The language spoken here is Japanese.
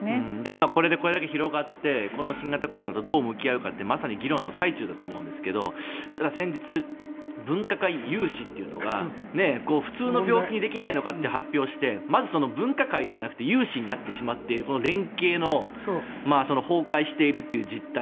今これでこれだけ広がってこの新型コロナとどう向き合うかってまさに議論の最中だと思うんですけどただ先日、分科会有志というのが普通の病気にできないのかと発表してまずその分科会ではなくて有志になってしまっている連携の崩壊しているという実態。